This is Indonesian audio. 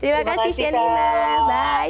terima kasih senina bye selamat malam